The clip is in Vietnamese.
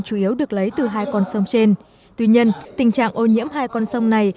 chủ yếu được lấy từ hai con sông trên tuy nhiên tình trạng ô nhiễm hai con sông này